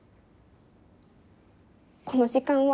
この時間は。